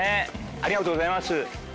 ありがとうございます。